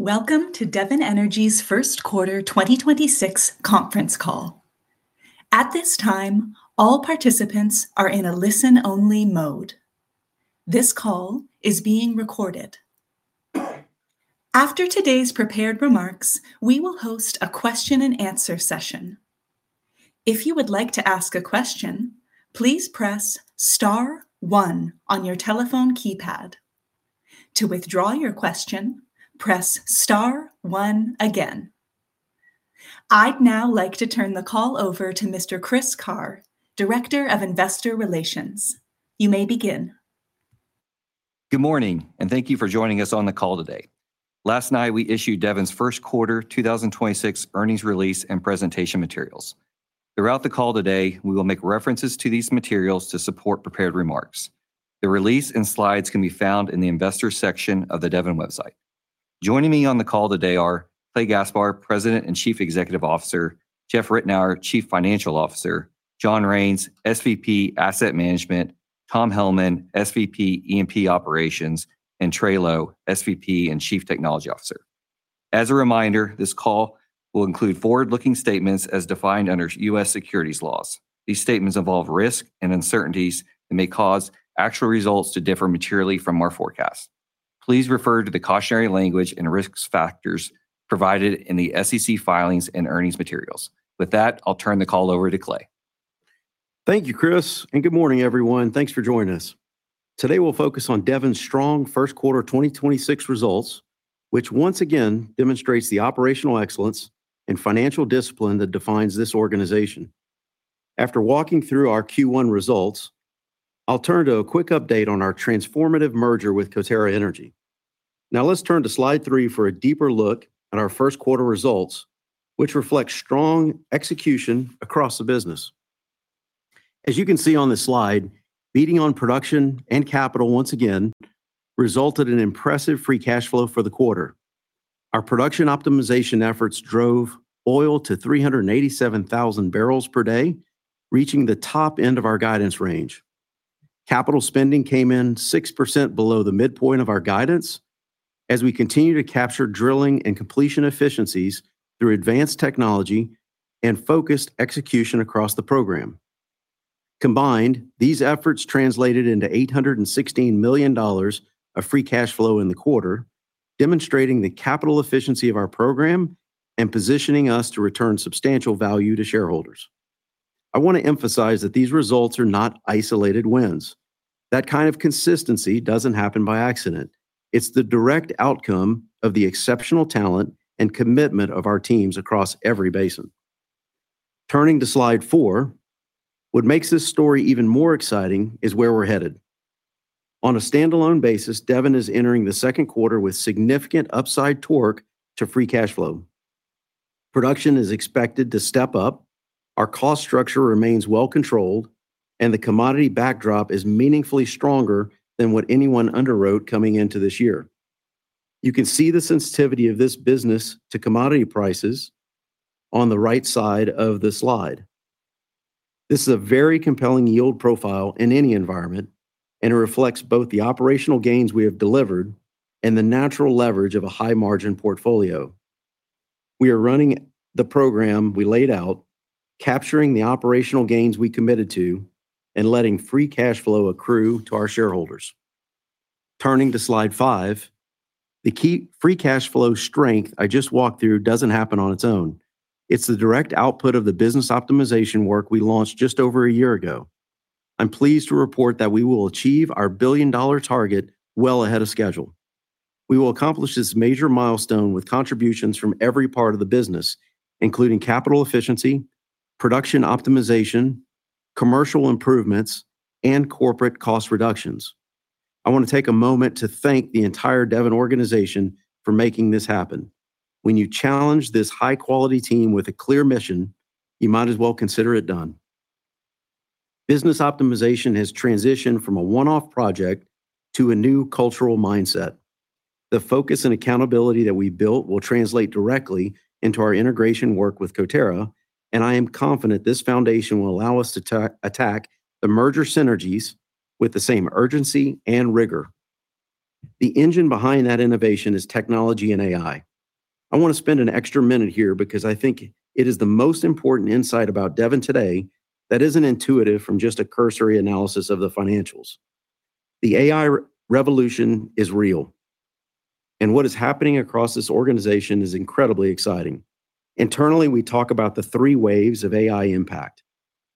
Welcome to Devon Energy's First Quarter 2026 Conference Call. At this time, all participants are in a listen-only mode. This call is being recorded. After today's prepared remarks, we will host a question-and-answer session. If you would like to ask a question, please press star one on your telephone keypad. To withdraw your question, press star one again. I'd now like to turn the call over to Mr. Chris Carr, Director of Investor Relations. You may begin. Good morning, and thank you for joining us on the call today. Last night, we issued Devon's first quarter 2026 earnings release and presentation materials. Throughout the call today, we will make references to these materials to support prepared remarks. The release and slides can be found in the Investors section of the Devon Energy website. Joining me on the call today are Clay Gaspar, President and Chief Executive Officer, Jeff Ritenour, Chief Financial Officer, John Raines, SVP Asset Management, Tom Hellman, SVP E&P Operations, and Trey Lowe, SVP and Chief Technology Officer. As a reminder, this call will include forward-looking statements as defined under U.S. securities laws. These statements involve risk and uncertainties and may cause actual results to differ materially from our forecast. Please refer to the cautionary language and risks factors provided in the SEC filings and earnings materials. With that, I'll turn the call over to Clay. Thank you, Chris. Good morning, everyone. Thanks for joining us. Today we'll focus on Devon's strong first quarter 2026 results, which once again demonstrates the operational excellence and financial discipline that defines this organization. After walking through our Q1 results, I'll turn to a quick update on COTERRA ENERGY. let's turn to slide three for a deeper look at our first quarter results, which reflect strong execution across the business. As you can see on the slide, beating on production and capital once again resulted in impressive free cash flow for the quarter. Our production optimization efforts drove oil to 387,000bpd, reaching the top end of our guidance range. Capital spending came in 6% below the midpoint of our guidance as we continue to capture drilling and completion efficiencies through advanced technology and focused execution across the program. Combined, these efforts translated into $816 million of free cash flow in the quarter, demonstrating the capital efficiency of our program and positioning us to return substantial value to shareholders. I want to emphasize that these results are not isolated wins. That kind of consistency doesn't happen by accident. It's the direct outcome of the exceptional talent and commitment of our teams across every basin. Turning to slide four, what makes this story even more exciting is where we're headed. On a standalone basis, Devon is entering the second quarter with significant upside torque to free cash flow. Production is expected to step up, our cost structure remains well controlled, and the commodity backdrop is meaningfully stronger than what anyone underwrote coming into this year. You can see the sensitivity of this business to commodity prices on the right side of the slide. This is a very compelling yield profile in any environment, and it reflects both the operational gains we have delivered and the natural leverage of a high-margin portfolio. We are running the program we laid out, capturing the operational gains we committed to, and letting free cash flow accrue to our shareholders. Turning to slide five, the key free cash flow strength I just walked through doesn't happen on its own. It's the direct output of the business optimization work we launched just over a year ago. I'm pleased to report that we will achieve our billion-dollar target well ahead of schedule. We will accomplish this major milestone with contributions from every part of the business, including capital efficiency, production optimization, commercial improvements, and corporate cost reductions. I want to take a moment to thank the entire Devon organization for making this happen. When you challenge this high-quality team with a clear mission, you might as well consider it done. Business optimization has transitioned from a one-off project to a new cultural mindset. The focus and accountability that we built will translate directly into our integration work with COTERRA, and I am confident this foundation will allow us to attack the merger synergies with the same urgency and rigor. The engine behind that innovation is technology and AI. I want to spend an extra one minute here because I think it is the most important insight about Devon today that isn't intuitive from just a cursory analysis of the financials. The AI revolution is real, and what is happening across this organization is incredibly exciting. Internally, we talk about the three waves of AI impact.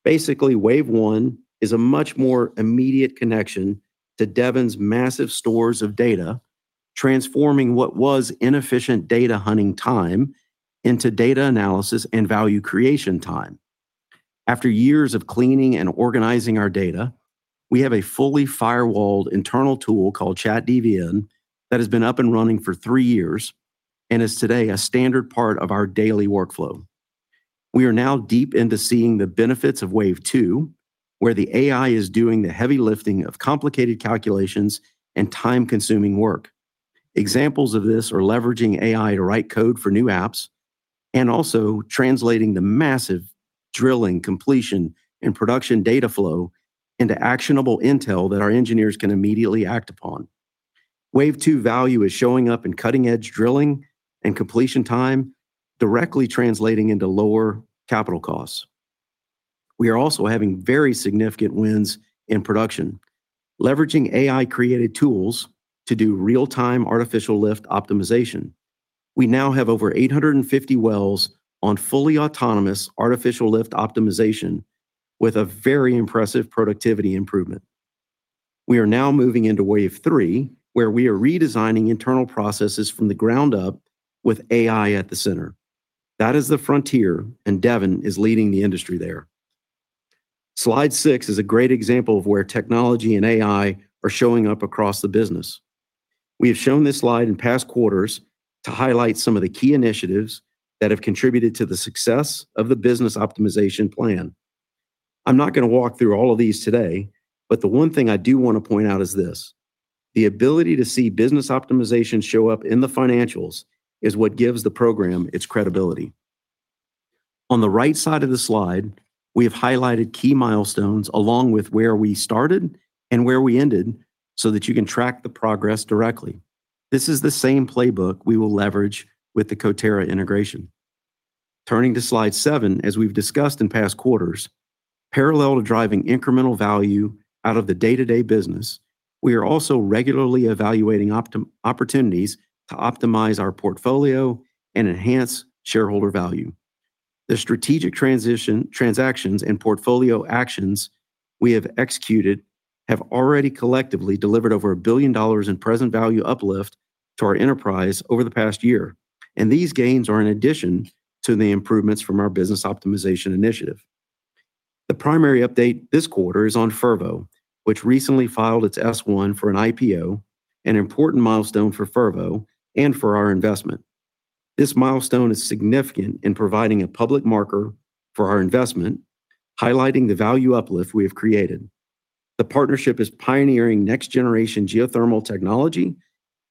Basically, wave one is a much more immediate connection to Devon's massive stores of data, transforming what was inefficient data hunting time into data analysis and value creation time. After years of cleaning and organizing our data, we have a fully firewalled internal tool called ChatDVN that has been up and running for three years and is today a standard part of our daily workflow. We are now deep into seeing the benefits of wave two, where the AI is doing the heavy lifting of complicated calculations and time-consuming work. Examples of this are leveraging AI to write code for new apps. Also translating the massive drilling completion and production data flow into actionable intel that our engineers can immediately act upon. Wave two value is showing up in cutting-edge drilling and completion time directly translating into lower capital costs. We are also having very significant wins in production, leveraging AI-created tools to do real-time artificial lift optimization. We now have over 850 wells on fully autonomous artificial lift optimization with a very impressive productivity improvement. We are now moving into wave three, where we are redesigning internal processes from the ground up with AI at the center. That is the frontier, and Devon is leading the industry there. Slide six is a great example of where technology and AI are showing up across the business. We have shown this slide in past quarters to highlight some of the key initiatives that have contributed to the success of the business optimization plan. I'm not gonna walk through all of these today, but the one thing I do wanna point out is this. The ability to see business optimization show up in the financials is what gives the program its credibility. On the right side of the slide, we have highlighted key milestones along with where we started and where we ended so that you can track the progress directly. This is the same playbook we will leverage with the COTERRA integration. Turning to slide seven, as we've discussed in past quarters, parallel to driving incremental value out of the day-to-day business, we are also regularly evaluating opportunities to optimize our portfolio and enhance shareholder value. The strategic transition, transactions and portfolio actions we have executed have already collectively delivered over a billion dollars in present value uplift to our enterprise over the past year. These gains are in addition to the improvements from our business optimization initiative. The primary update this quarter is on Fervo, which recently filed its S-1 for an IPO, an important milestone for Fervo and for our investment. This milestone is significant in providing a public marker for our investment, highlighting the value uplift we have created. The partnership is pioneering next-generation geothermal technology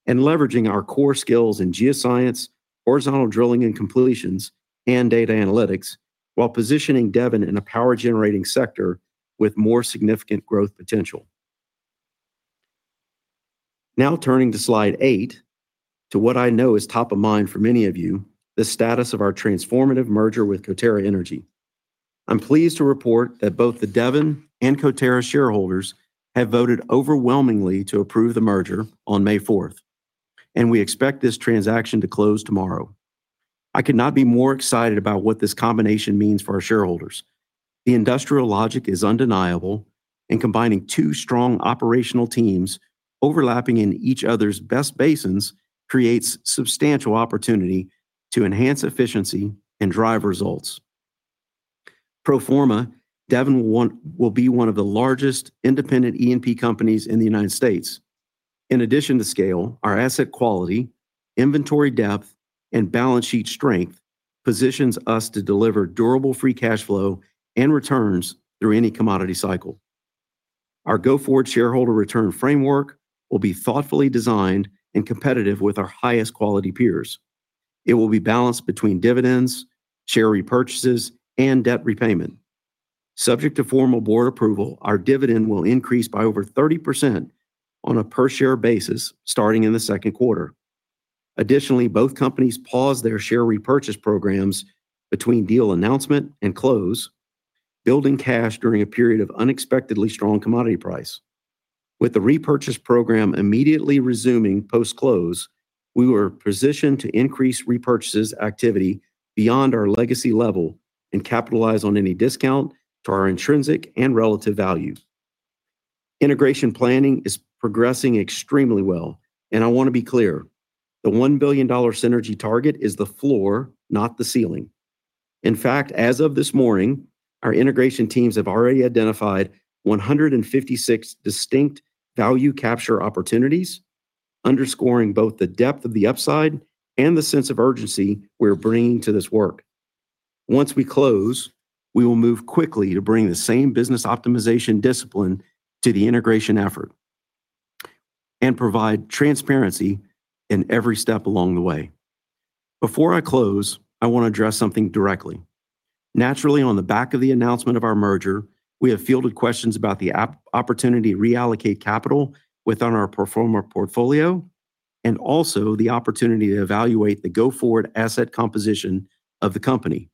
and leveraging our core skills in geoscience, horizontal drilling and completions, and data analytics, while positioning Devon in a power-generating sector with more significant growth potential. Now turning to slide eight, to what I know is top of mind for many of you, the status of COTERRA ENERGY. i'm pleased to report that both the Devon and COTERRA shareholders have voted overwhelmingly to approve the merger on May 4, and we expect this transaction to close tomorrow. I could not be more excited about what this combination means for our shareholders. The industrial logic is undeniable. Combining two strong operational teams overlapping in each other's best basins creates substantial opportunity to enhance efficiency and drive results. Pro forma, Devon will be one of the largest independent E&P companies in the U.S. In addition to scale, our asset quality, inventory depth, and balance sheet strength positions us to deliver durable free cash flow and returns through any commodity cycle. Our go-forward shareholder return framework will be thoughtfully designed and competitive with our highest quality peers. It will be balanced between dividends, share repurchases, and debt repayment. Subject to formal board approval, our dividend will increase by over 30% on a per-share basis starting in the second quarter. Additionally, both companies paused their share repurchase programs between deal announcement and close, building cash during a period of unexpectedly strong commodity price. With the repurchase program immediately resuming post-close, we were positioned to increase repurchases activity beyond our legacy level and capitalize on any discount to our intrinsic and relative value. Integration planning is progressing extremely well, and I wanna be clear, the $1 billion synergy target is the floor, not the ceiling. In fact, as of this morning, our integration teams have already identified 156 distinct value capture opportunities, underscoring both the depth of the upside and the sense of urgency we're bringing to this work. Once we close, we will move quickly to bring the same business optimization discipline to the integration effort and provide transparency in every step along the way. Before I close, I wanna address something directly. Naturally, on the back of the announcement of our merger, we have fielded questions about the opportunity to reallocate capital within our pro forma portfolio and also the opportunity to evaluate the go-forward asset composition of the company.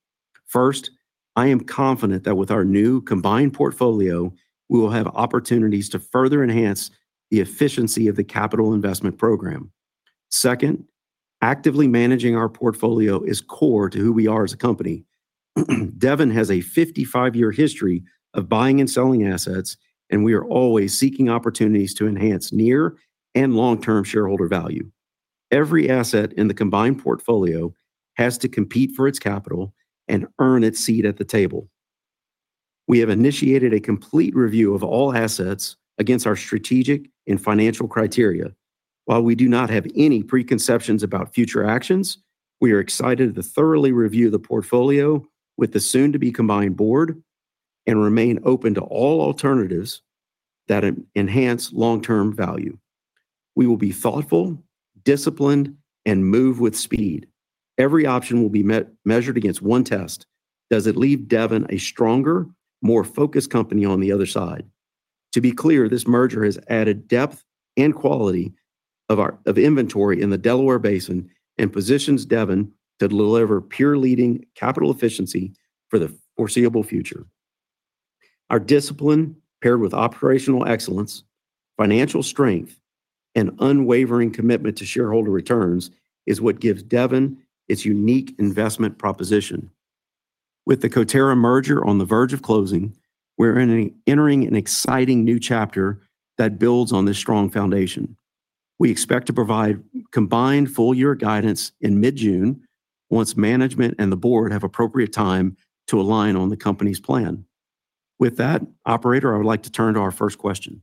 First, I am confident that with our new combined portfolio, we will have opportunities to further enhance the efficiency of the capital investment program. Second, actively managing our portfolio is core to who we are as a company. Devon has a 55-year history of buying and selling assets, and we are always seeking opportunities to enhance near and long-term shareholder value. Every asset in the combined portfolio has to compete for its capital and earn its seat at the table. We have initiated a complete review of all assets against our strategic and financial criteria. While we do not have any preconceptions about future actions, we are excited to thoroughly review the portfolio with the soon-to-be-combined board and remain open to all alternatives that enhance long-term value. We will be thoughtful, disciplined, and move with speed. Every option will be measured against one test. Does it leave Devon a stronger, more focused company on the other side? To be clear, this merger has added depth and quality of inventory in the Delaware Basin and positions Devon to deliver peer-leading capital efficiency for the foreseeable future. Our discipline paired with operational excellence, financial strength, and unwavering commitment to shareholder returns is what gives Devon its unique investment proposition. With the COTERRA merger on the verge of closing, entering an exciting new chapter that builds on this strong foundation. We expect to provide combined full-year guidance in mid-June once management and the board have appropriate time to align on the company's plan. With that, operator, I would like to turn to our first question.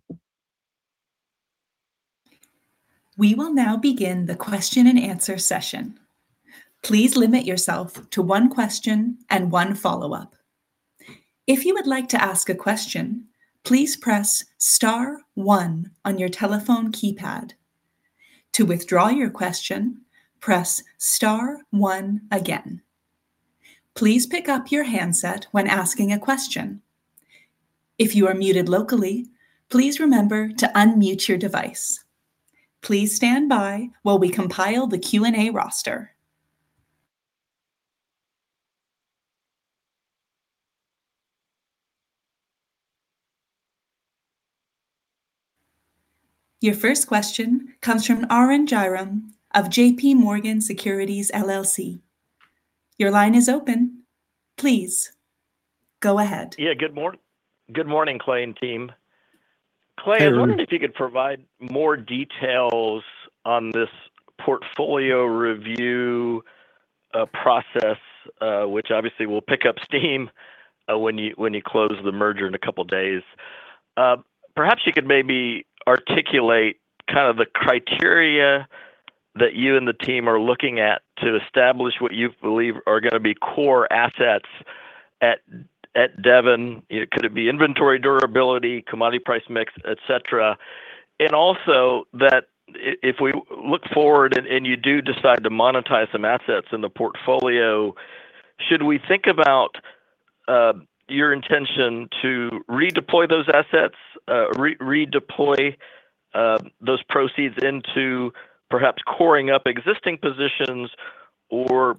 Your first question comes from Arun Jayaram of JPMorgan Securities LLC. Yeah. Good morning, Clay and team. Clay, I was wondering if you could provide more details on this portfolio review process, which obviously will pick up steam when you, when you close the merger in a couple days. Perhaps you could maybe articulate kind of the criteria that you and the team are looking at to establish what you believe are gonna be core assets at Devon. You know, could it be inventory durability, commodity price mix, et cetera? Also that if we look forward and you do decide to monetize some assets in the portfolio, should we think about your intention to redeploy those assets, redeploy those proceeds into perhaps coring up existing positions or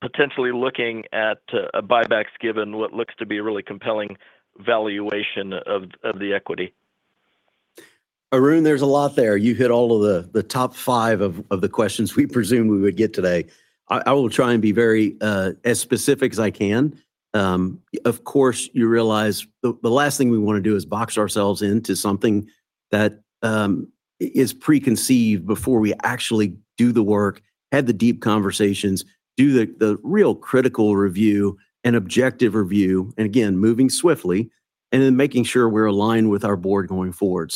potentially looking at buybacks given what looks to be a really compelling valuation of the equity? Arun, there's a lot there. You hit all of the top five of the questions we presumed we would get today. I will try and be very as specific as I can. Of course, you realize the last thing we wanna do is box ourselves into something that is preconceived before we actually do the work, have the deep conversations, do the real critical review and objective review. Again, moving swiftly then making sure we're aligned with our board going forward.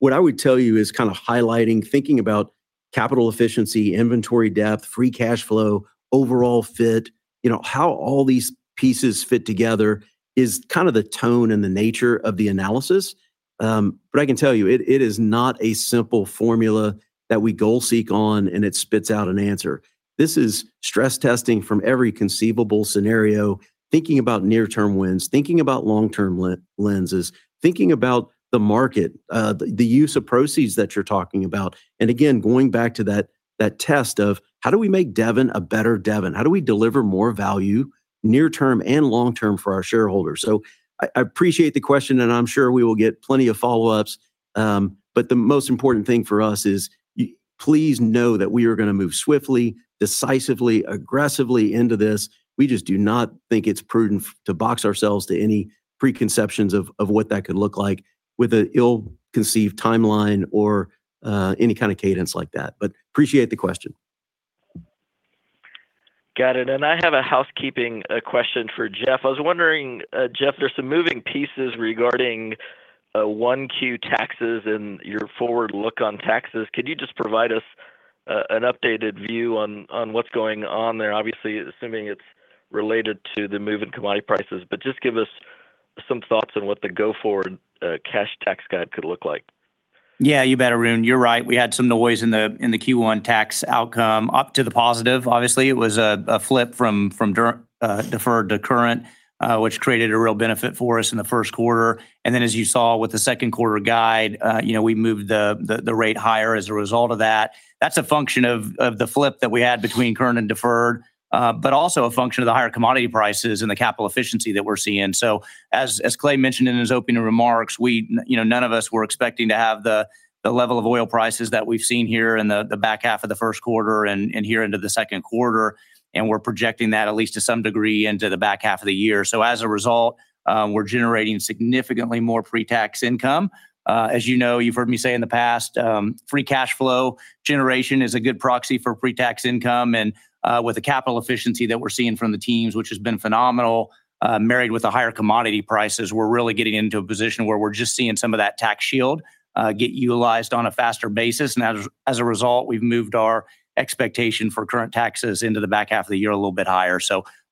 What I would tell you is kind of highlighting, thinking about capital efficiency, inventory depth, free cash flow, overall fit. You know, how all these pieces fit together is kind of the tone and the nature of the analysis. I can tell you it is not a simple formula that we goal seek on and it spits out an answer. This is stress testing from every conceivable scenario, thinking about near-term wins, thinking about long-term lenses, thinking about the market, the use of proceeds that you're talking about. Again, going back to that test of how do we make Devon a better Devon? How do we deliver more value near-term and long-term for our shareholders? I appreciate the question, and I'm sure we will get plenty of follow-ups. The most important thing for us is please know that we are gonna move swiftly, decisively, aggressively into this. We just do not think it's prudent to box ourselves to any preconceptions of what that could look like with an ill-conceived timeline or any kind of cadence like that. Appreciate the question. Got it. I have a housekeeping question for Jeff. I was wondering, Jeff, there's some moving pieces regarding 1Q taxes and your forward look on taxes. Could you just provide us an updated view on what's going on there? Obviously, assuming it's related to the move in commodity prices. Just give us some thoughts on what the go-forward cash tax guide could look like. Yeah, you bet, Arun. You're right. We had some noise in the Q1 tax outcome up to the positive. Obviously, it was a flip from deferred to current, which created a real benefit for us in the first quarter. Then as you saw with the second quarter guide, you know, we moved the rate higher as a result of that. That's a function of the flip that we had between current and deferred, but also a function of the higher commodity prices and the capital efficiency that we're seeing. As Clay mentioned in his opening remarks, we, you know, none of us were expecting to have the level of oil prices that we've seen here in the back half of the first quarter and here into the second quarter, and we're projecting that at least to some degree into the back half of the year. As a result, we're generating significantly more pre-tax income. As you know, you've heard me say in the past, free cash flow generation is a good proxy for pre-tax income. With the capital efficiency that we're seeing from the teams, which has been phenomenal, married with the higher commodity prices, we're really getting into a position where we're just seeing some of that tax shield get utilized on a faster basis. As a result, we've moved our expectation for current taxes into the back half of the year a little bit higher.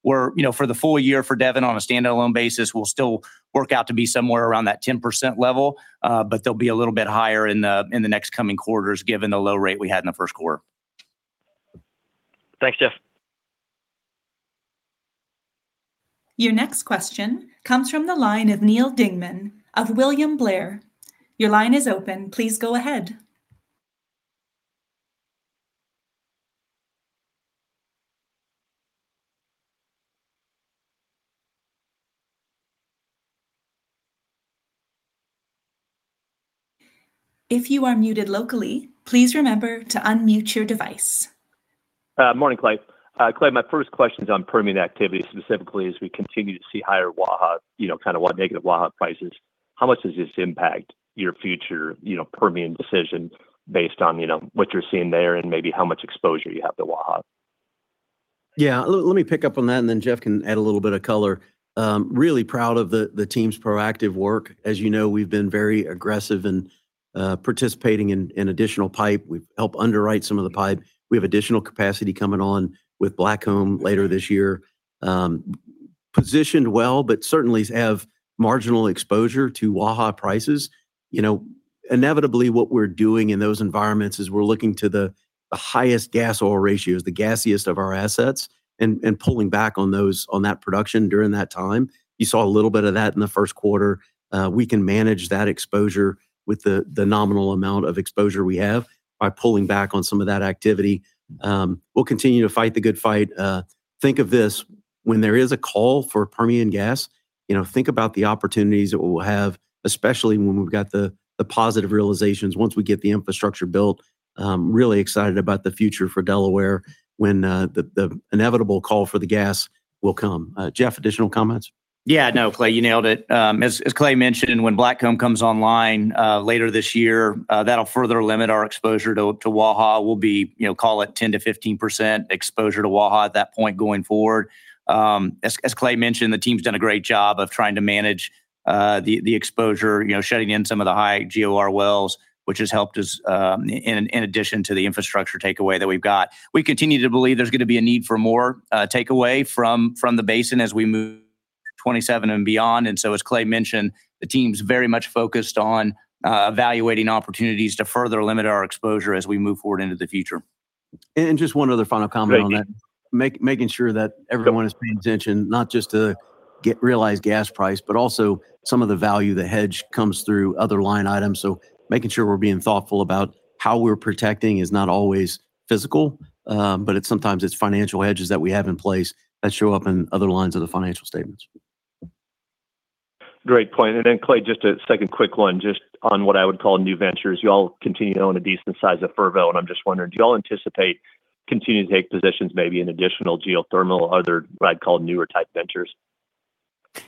You know, for the full year for Devon on a standalone basis, we'll still work out to be somewhere around that 10% level. But they'll be a little bit higher in the, in the next coming quarters given the low rate we had in the first quarter. Thanks, Jeff Your next question comes from the line of Neal Dingmann of William Blair. Your line is open. Please go ahead. Morning, Clay. Clay, my first question's on Permian activity. Specifically as we continue to see higher Waha, you know, kind of negative Waha prices. How much does this impact your future, you know, Permian decision based on, you know, what you're seeing there, and maybe how much exposure you have to Waha? Yeah. Let me pick up on that, then Jeff can add a little bit of color. Really proud of the team's proactive work. As you know, we've been very aggressive in participating in additional pipe. We've helped underwrite some of the pipe. We have additional capacity coming on with Blackcomb Pipeline later this year. Positioned well, certainly have marginal exposure to Waha prices. You know, inevitably what we're doing in those environments is we're looking to the highest gas oil ratios, the gassiest of our assets and pulling back on that production during that time. You saw a little bit of that in the first quarter. We can manage that exposure with the nominal amount of exposure we have by pulling back on some of that activity. We'll continue to fight the good fight. Think of this. When there is a call for Permian gas, you know, think about the opportunities that we'll have, especially when we've got the positive realizations once we get the infrastructure built. Really excited about the future for Delaware when the inevitable call for the gas will come. Jeff, additional comments? Yeah. No, Clay, you nailed it. As Clay mentioned, when Blackcomb Pipeline comes online later this year, that'll further limit our exposure to Waha. We'll be, you know, call it 10%-15% exposure to Waha at that point going forward. As Clay mentioned, the team's done a great job of trying to manage the exposure, you know, shutting in some of the high GOR wells, which has helped us in addition to the infrastructure takeaway that we've got. We continue to believe there's gonna be a need for more takeaway from the basin as we move to 2027 and beyond. As Clay mentioned, the team's very much focused on evaluating opportunities to further limit our exposure as we move forward into the future. Just one other final comment on that. Thank you. Making sure that everyone is paying attention not just to get realized gas price, but also some of the value the hedge comes through other line items. Making sure we're being thoughtful about how we're protecting is not always physical. Sometimes it's financial hedges that we have in place that show up in other lines of the financial statements. Great point. Clay, just a second quick one, just on what I would call new ventures. Y'all continue to own a decent size of Fervo, I'm just wondering, do y'all anticipate continuing to take positions, maybe in additional geothermal, other what I'd call newer type ventures?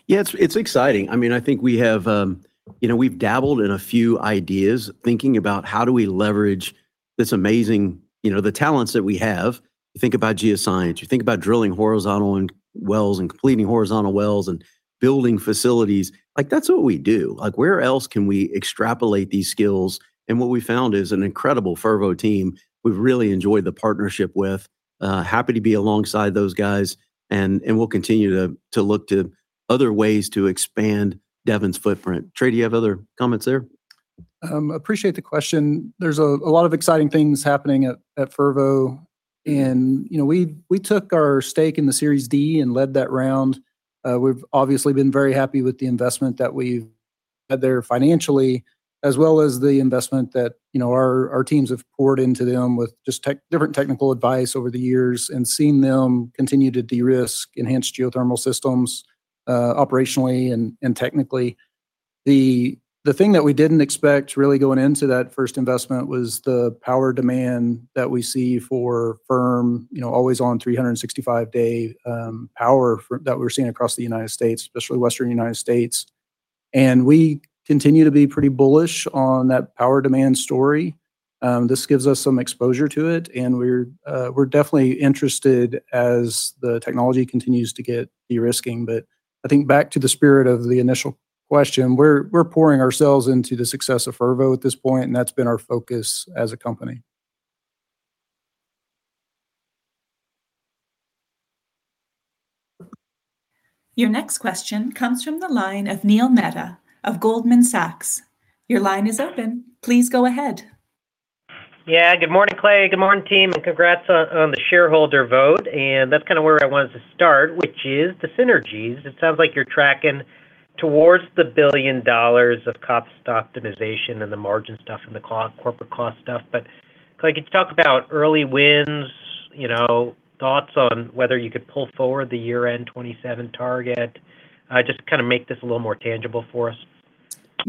Yeah, it's exciting. I mean, I think we have, you know, we've dabbled in a few ideas, thinking about how do we leverage this amazing, you know, the talents that we have. You think about geoscience, you think about drilling horizontal and wells and completing horizontal wells and building facilities. Like, that's what we do. Like, where else can we extrapolate these skills? What we found is an incredible Fervo team we've really enjoyed the partnership with. Happy to be alongside those guys, and we'll continue to look to other ways to expand Devon's footprint. Trey, do you have other comments there? Appreciate the question. There's a lot of exciting things happening at Fervo and, you know, we took our stake in the Series D and led that round. We've obviously been very happy with the investment that we've had there financially as well as the investment that, you know, our teams have poured into them with just different technical advice over the years and seen them continue to de-risk enhanced geothermal systems operationally and technically. The thing that we didn't expect really going into that first investment was the power demand that we see for firm, you know, always on 365-day power that we're seeing across the United States, especially Western United States. We continue to be pretty bullish on that power demand story. This gives us some exposure to it, and we're definitely interested as the technology continues to get de-risking. I think back to the spirit of the initial question, we're pouring ourselves into the success of Fervo at this point, and that's been our focus as a company. Your next question comes from the line of Neil Mehta of Goldman Sachs. Your line is open. Please go ahead. Yeah. Good morning, Clay. Good morning, team, and congrats on the shareholder vote. That's kind of where I wanted to start, which is the synergies. It sounds like you're tracking towards the billion dollars of cost optimization and the margin stuff and the corporate cost stuff. Clay, could you talk about early wins, you know, thoughts on whether you could pull forward the year-end 2027 target? Just to kind of make this a little more tangible for us.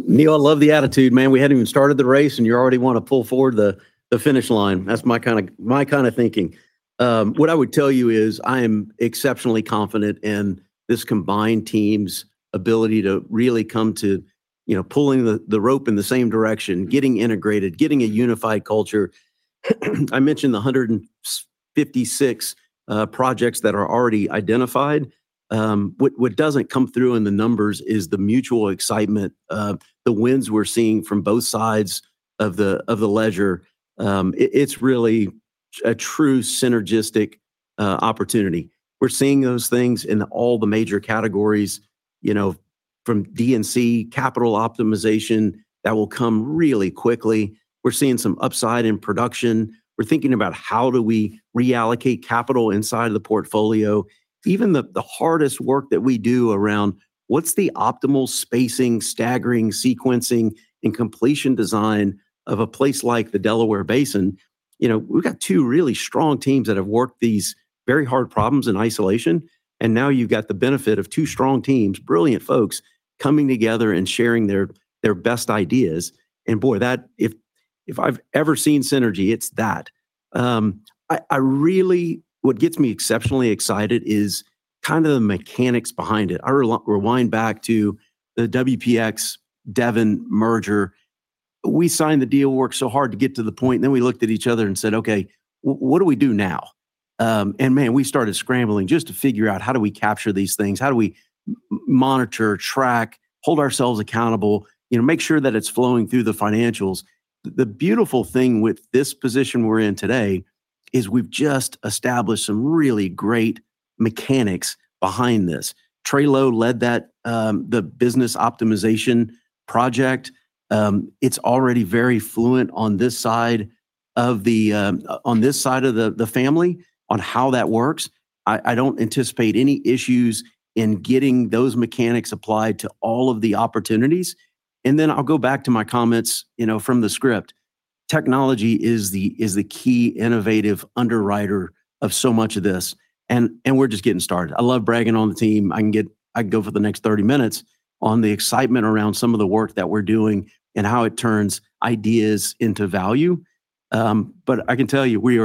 Neil, I love the attitude, man. We hadn't even started the race and you already wanna pull forward the finish line. That's my kinda, my kinda thinking. What I would tell you is I am exceptionally confident in this combined team's ability to really come to, you know, pulling the rope in the same direction, getting integrated, getting a unified culture. I mentioned the 156 projects that are already identified. What doesn't come through in the numbers is the mutual excitement of the wins we're seeing from both sides of the ledger. It's really a true synergistic opportunity. We're seeing those things in all the major categories, you know, From D&C capital optimization, that will come really quickly. We're seeing some upside in production. We're thinking about how do we reallocate capital inside the portfolio. Even the hardest work that we do around what's the optimal spacing, staggering, sequencing, and completion design of a place like the Delaware Basin, you know, we've got two really strong teams that have worked these very hard problems in isolation, and now you've got the benefit of two strong teams, brilliant folks, coming together and sharing their best ideas. Boy, that If I've ever seen synergy, it's that. What gets me exceptionally excited is kind of the mechanics behind it. I rewind back to the WPX-Devon merger. We signed the deal, worked so hard to get to the point, and then we looked at each other and said, "Okay, what do we do now?" Man, we started scrambling just to figure out how do we capture these things? How do we monitor, track, hold ourselves accountable, you know, make sure that it's flowing through the financials? The beautiful thing with this position we're in today is we've just established some really great mechanics behind this. Trey Lowe led that, the business optimization project. It's already very fluent on this side of the family on how that works. I don't anticipate any issues in getting those mechanics applied to all of the opportunities. Then I'll go back to my comments, you know, from the script. Technology is the key innovative underwriter of so much of this, and we're just getting started. I love bragging on the team. I can go for the next 30 minutes on the excitement around some of the work that we're doing and how it turns ideas into value. I can tell you, we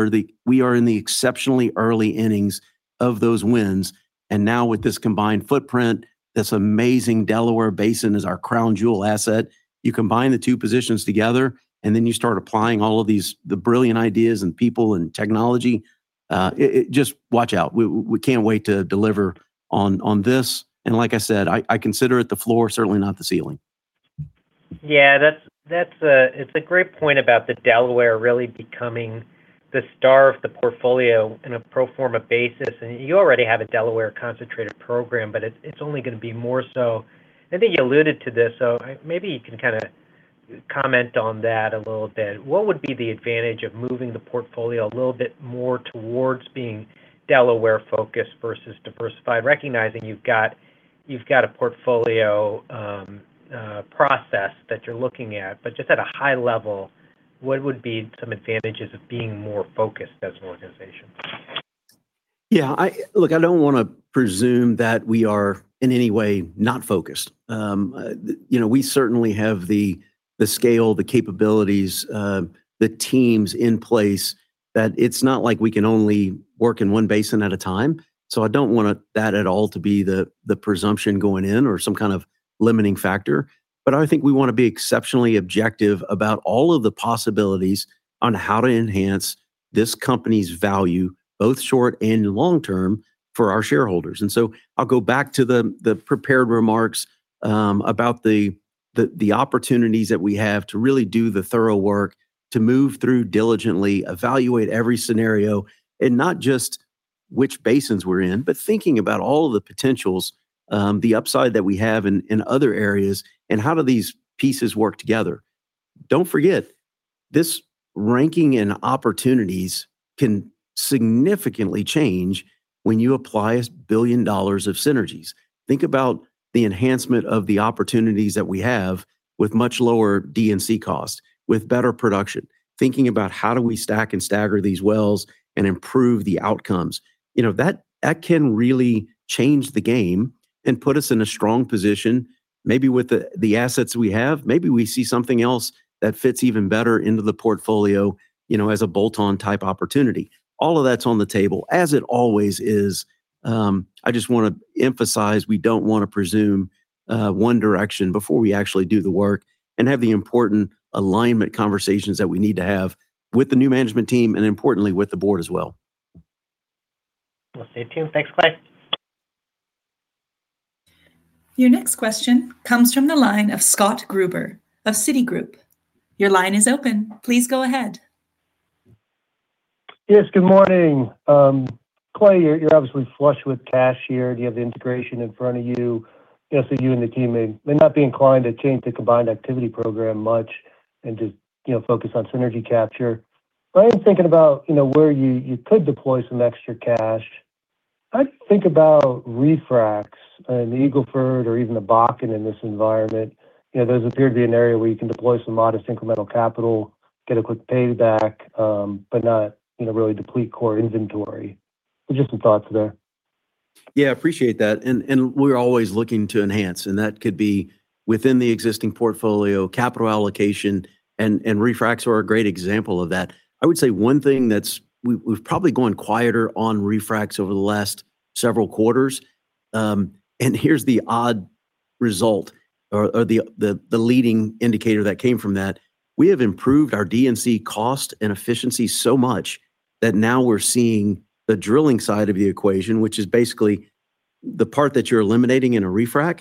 are in the exceptionally early innings of those wins. Now with this combined footprint, this amazing Delaware Basin as our crown jewel asset, you combine the two positions together, then you start applying all of these brilliant ideas and people and technology, it. Just watch out. We can't wait to deliver on this. Like I said, I consider it the floor, certainly not the ceiling. Yeah. That's a great point about the Delaware really becoming the star of the portfolio in a pro forma basis. You already have a Delaware-concentrated program, but it's only gonna be more so. I think you alluded to this, so I maybe you can kinda comment on that a little bit. What would be the advantage of moving the portfolio a little bit more towards being Delaware-focused versus diversified, recognizing you've got a portfolio process that you're looking at. Just at a high level, what would be some advantages of being more focused as an organization? Yeah. I Look, I don't wanna presume that we are in any way not focused. you know, we certainly have the scale, the capabilities, the teams in place, that it's not like we can only work in one basin at a time. I don't want that at all to be the presumption going in or some kind of limiting factor. I think we wanna be exceptionally objective about all of the possibilities on how to enhance this company's value, both short and long-term, for our shareholders. I'll go back to the prepared remarks, about the opportunities that we have to really do the thorough work, to move through diligently, evaluate every scenario, in not just which basins we're in, but thinking about all of the potentials, the upside that we have in other areas, and how do these pieces work together. Don't forget, this ranking and opportunities can significantly change when you apply billion dollars of synergies. Think about the enhancement of the opportunities that we have with much lower D&C cost, with better production. Thinking about how do we stack and stagger these wells and improve the outcomes. You know, that can really change the game and put us in a strong position, maybe with the assets we have. Maybe we see something else that fits even better into the portfolio, you know, as a bolt-on type opportunity. All of that's on the table, as it always is. I just wanna emphasize, we don't wanna presume one direction before we actually do the work and have the important alignment conversations that we need to have with the new management team and importantly with the board as well. We'll stay tuned. Thanks, Clay. Your next question comes from the line of Scott Gruber of Citigroup. Your line is open. Please go ahead. Good morning. Clay, you're obviously flush with cash here. You have the integration in front of you. Guessing you and the team may not be inclined to change the combined activity program much and just, you know, focus on synergy capture. I am thinking about, you know, where you could deploy some extra cash. I'd think about refracs in the Eagle Ford or even the Bakken in this environment. You know, those appear to be an area where you can deploy some modest incremental capital, get a quick payback, but not, you know, really deplete core inventory. Just some thoughts there. Yeah, appreciate that. We're always looking to enhance, and that could be within the existing portfolio, capital allocation, and refracs are a great example of that. I would say one thing. We've probably gone quieter on refracs over the last several quarters. Here's the odd result or the leading indicator that came from that. We have improved our D&C cost and efficiency so much that now we're seeing the drilling side of the equation, which is basically the part that you're eliminating in a refrac.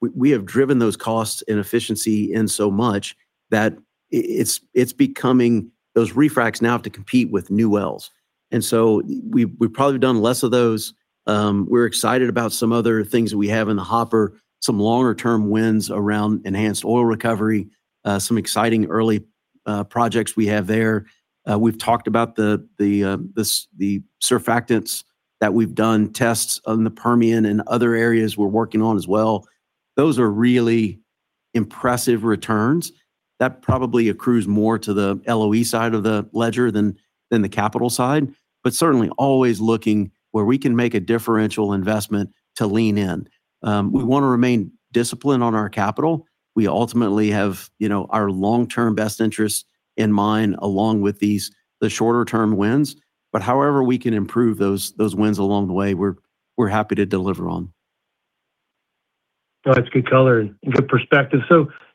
We have driven those costs and efficiency so much that it's becoming those refracs now have to compete with new wells. We've probably done less of those. We're excited about some other things that we have in the hopper, some longer-term wins around enhanced oil recovery, some exciting early projects we have there. We've talked about the surfactants that we've done tests on the Permian and other areas we're working on as well. Those are really impressive returns. That probably accrues more to the LOE side of the ledger than the capital side. Certainly always looking where we can make a differential investment to lean in. We wanna remain disciplined on our capital. We ultimately have, you know, our long-term best interests in mind along with these, the shorter-term wins. However we can improve those wins along the way, we're happy to deliver on. No, that's good color and good perspective.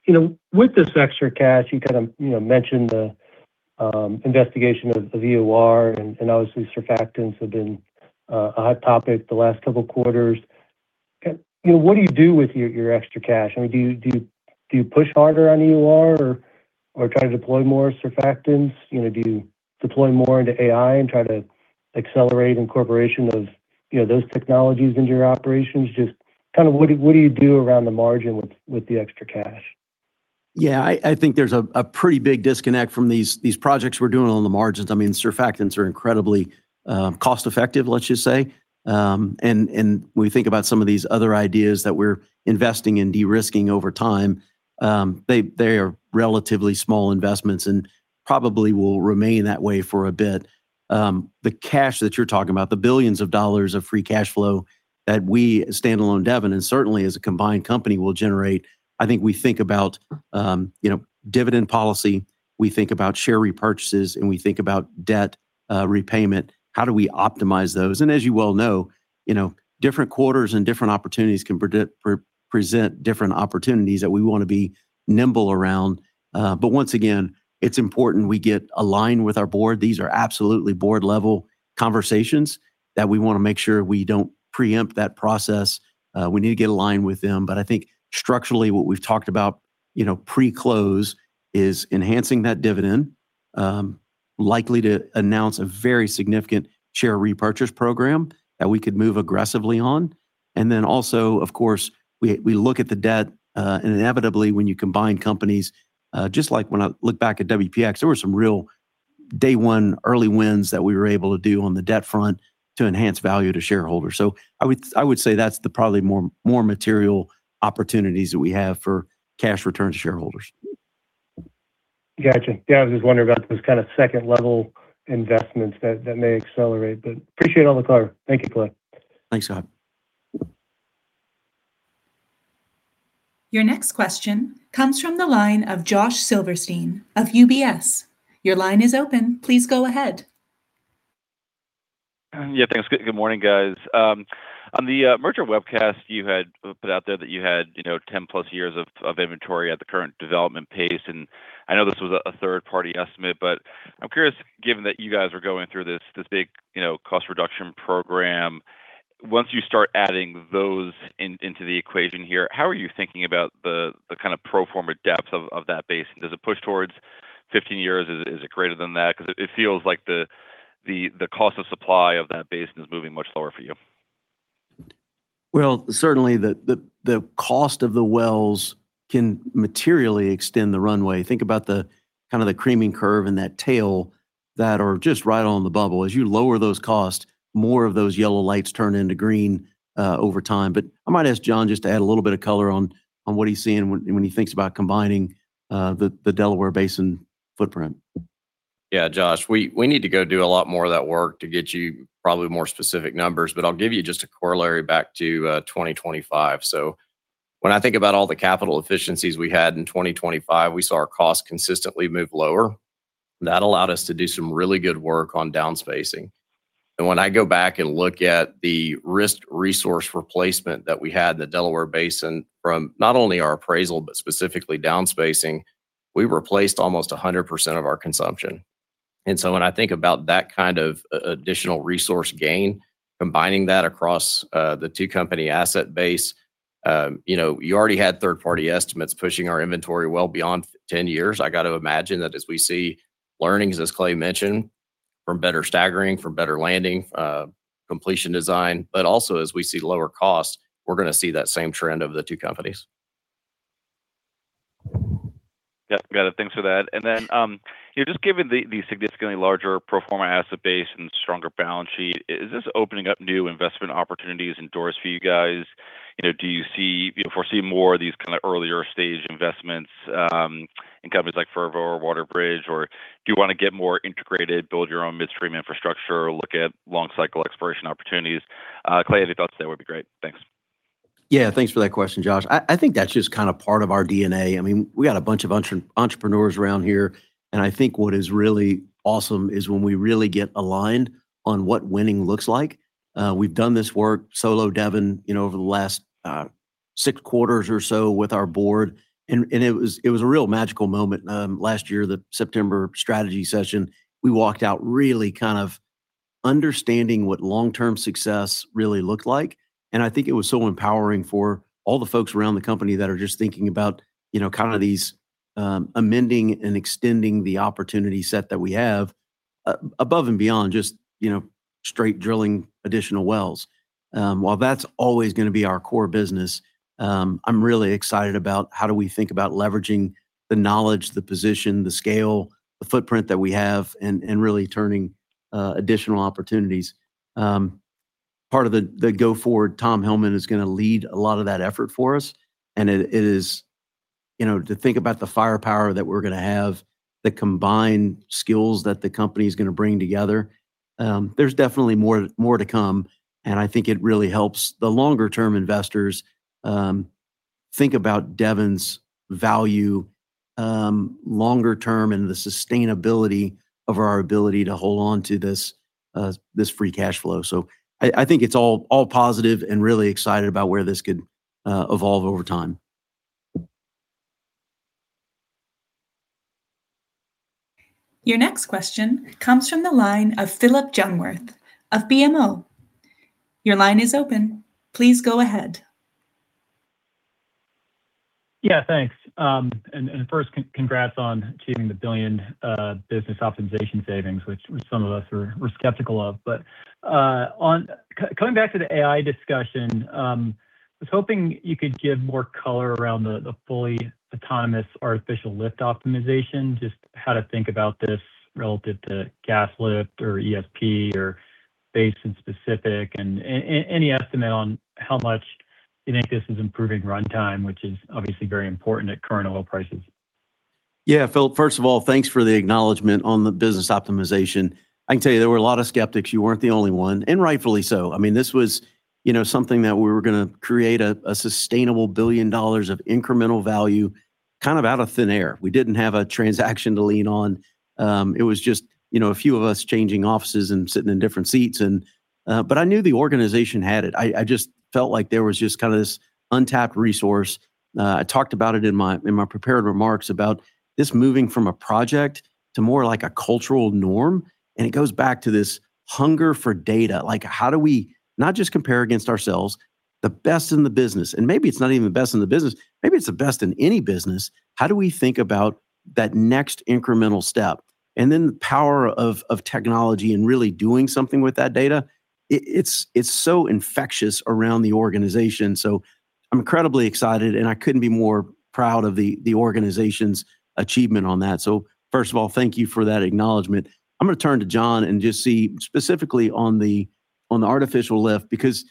You know, with this extra cash, you kind of, you know, mentioned the investigation of EOR and obviously surfactants have been a hot topic the last couple quarters. You know, what do you do with your extra cash? I mean, do you push harder on EOR or try to deploy more surfactants? You know, do you deploy more into AI and try to accelerate incorporation of, you know, those technologies into your operations? Just kind of what do you do around the margin with the extra cash? Yeah, I think there's a pretty big disconnect from these projects we're doing on the margins. I mean, surfactants are incredibly, cost-effective, let's just say. When we think about some of these other ideas that we're investing in de-risking over time, they are relatively small investments and probably will remain that way for a bit. The cash that you're talking about, the billions of dollars of free cash flow that we as standalone Devon, and certainly as a combined company, will generate, I think we think about, you know, dividend policy. We think about share repurchases, and we think about debt, repayment. How do we optimize those? As you well know, you know, different quarters and different opportunities can present different opportunities that we wanna be nimble around. Once again, it's important we get aligned with our board. These are absolutely board-level conversations that we wanna make sure we don't preempt that process. We need to get aligned with them. I think structurally what we've talked about, you know, pre-close, is enhancing that dividend. Likely to announce a very significant share repurchase program that we could move aggressively on. Of course, we look at the debt. Inevitably, when you combine companies, just like when I look back at WPX, there were some real day one early wins that we were able to do on the debt front to enhance value to shareholders. I would say that's the probably more material opportunities that we have for cash return to shareholders. Gotcha. Yeah, I was just wondering about those kinda second-level investments that may accelerate. Appreciate all the color. Thank you, Clay. Thanks, Scott. Your next question comes from the line of Josh Silverstein of UBS. Your line is open. Please go ahead. Yeah, thanks. Good morning, guys. On the merger webcast, you had put out there that you had, you know, 10+ years of inventory at the current development pace. I know this was a third-party estimate, but I'm curious, given that you guys are going through this big, you know, cost reduction program, once you start adding those into the equation here, how are you thinking about the kinda pro forma depth of that base? Does it push towards 15 years? Is it greater than that? Cause it feels like the cost of supply of that base is moving much lower for you. Well, certainly the cost of the wells can materially extend the runway. Think about the, kinda the creaming curve and that tail that are just right on the bubble. As you lower those costs, more of those yellow lights turn into green over time. I might ask John just to add a little bit of color on what he's seeing when he thinks about combining the Delaware Basin footprint. Yeah, Josh, we need to go do a lot more of that work to get you probably more specific numbers. I'll give you just a corollary back to 2025. When I think about all the capital efficiencies we had in 2025, we saw our costs consistently move lower. That allowed us to do some really good work on downspacing. When I go back and look at the risk resource replacement that we had the Delaware Basin from not only our appraisal, but specifically downspacing, we replaced almost 100% of our consumption. When I think about that kind of additional resource gain, combining that across the two company asset base, you know, you already had third-party estimates pushing our inventory well beyond 10 years. I gotta imagine that as we see learnings, as Clay mentioned, from better staggering, from better landing, completion design, but also as we see lower costs, we're gonna see that same trend of the two companies. Yeah. Got it. Thanks for that. You know, just given the significantly larger pro forma asset base and stronger balance sheet, is this opening up new investment opportunities and doors for you guys? You know, do you foresee more of these kinda earlier stage investments in companies like Fervo or WaterBridge, or do you wanna get more integrated, build your own midstream infrastructure, look at long cycle exploration opportunities? Clay, any thoughts there would be great. Thanks. Yeah. Thanks for that question, Josh. I think that's just kind of part of our DNA. I mean, we got a bunch of entrepreneurs around here, and I think what is really awesome is when we really get aligned on what winning looks like. We've done this work, solo Devon, you know, over the last six quarters or so with our board, and it was a real magical moment last year, the September strategy session. We walked out really kind of understanding what long-term success really looked like, and I think it was so empowering for all the folks around the company that are just thinking about, you know, kind of these, amending and extending the opportunity set that we have, above and beyond just, you know, straight drilling additional wells. While that's always gonna be our core business, I'm really excited about how do we think about leveraging the knowledge, the position, the scale, the footprint that we have and really turning additional opportunities. Part of the go forward, Tom Hellman is gonna lead a lot of that effort for us, and it is You know, to think about the firepower that we're gonna have, the combined skills that the company's gonna bring together, there's definitely more to come, and I think it really helps the longer-term investors, think about Devon's value, longer-term and the sustainability of our ability to hold onto this free cash flow. I think it's all positive and really excited about where this could evolve over time. Your next question comes from the line of Phillip Jungwirth of BMO. Your line is open. Please go ahead. Thanks. First congrats on achieving the $1 billion business optimization savings, which some of us were skeptical of. Coming back to the AI discussion, I was hoping you could give more color around the fully autonomous artificial lift optimization, just how to think about this relative to gas lift or ESP or basin specific. Any estimate on how much you think this is improving runtime, which is obviously very important at current oil prices. Yeah. Phil, first of all, thanks for the acknowledgment on the business optimization. I can tell you there were a lot of skeptics. You weren't the only one, and rightfully so. I mean, this was, you know, something that we were going to create a sustainable billion dollars of incremental value kind of out of thin air. We didn't have a transaction to lean on. It was just, you know, a few of us changing offices and sitting in different seats. I knew the organization had it. I just felt like there was just kind of this untapped resource. I talked about it in my prepared remarks about this moving from a project to more like a cultural norm, and it goes back to this hunger for data. Like, how do we not just compare against ourselves, the best in the business? Maybe it's not even the best in the business. Maybe it's the best in any business. How do we think about that next incremental step? The power of technology and really doing something with that data, it's so infectious around the organization. I'm incredibly excited, and I couldn't be more proud of the organization's achievement on that. First of all, thank you for that acknowledgement. I'm gonna turn to John and just see specifically on the artificial lift, because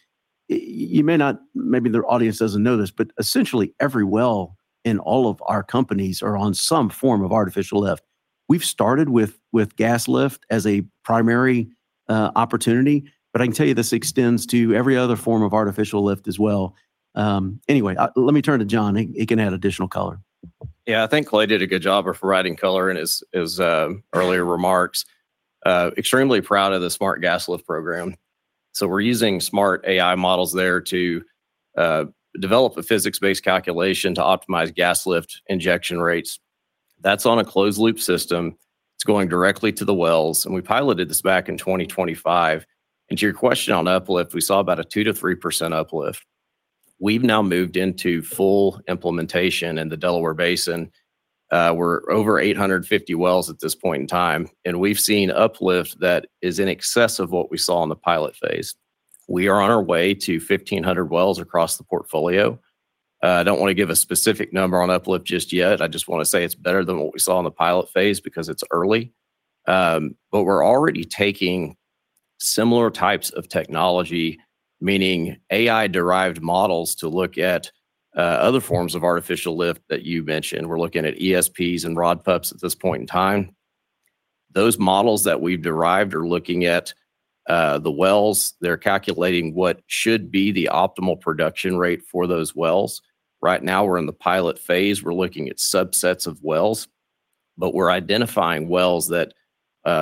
maybe the audience doesn't know this, but essentially every well in all of our companies are on some form of artificial lift. We've started with gas lift as a primary opportunity, but I can tell you this extends to every other form of artificial lift as well. Anyway, let me turn to John. He can add additional color. I think Clay did a good job of providing color in his earlier remarks. Extremely proud of the smart gas lift program. We're using smart AI models there to develop a physics-based calculation to optimize gas lift injection rates. That's on a closed loop system. It's going directly to the wells, we piloted this back in 2025. To your question on uplift, we saw about a 2%-3% uplift. We've now moved into full implementation in the Delaware Basin. We're over 850 wells at this point in time, we've seen uplift that is in excess of what we saw in the pilot phase. We are on our way to 1,500 wells across the portfolio. I don't wanna give a specific number on uplift just yet. I just wanna say it's better than what we saw in the pilot phase because it's early. We're already taking similar types of technology, meaning AI-derived models, to look at other forms of artificial lift that you mentioned. We're looking at ESPs and rod pumps at this point in time. Those models that we've derived are looking at the wells. They're calculating what should be the optimal production rate for those wells. Right now, we're in the pilot phase. We're looking at subsets of wells, but we're identifying wells that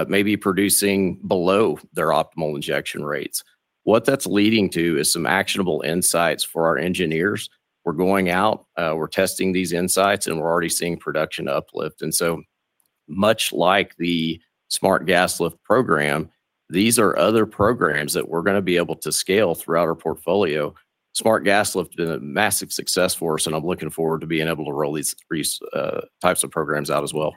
may be producing below their optimal injection rates. What that's leading to is some actionable insights for our engineers. We're going out, we're testing these insights, and we're already seeing production uplift. Much like the Smart gas lift program, these are other programs that we're going to be able to scale throughout our portfolio. Smart gas lift has been a massive success for us, and I'm looking forward to being able to roll these three types of programs out as well.